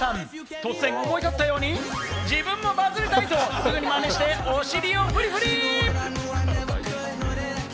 突然、思い立ったように自分もバズりたいと、すぐにマネしてお尻をフリフリ！